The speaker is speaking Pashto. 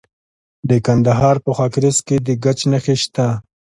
د کندهار په خاکریز کې د ګچ نښې شته.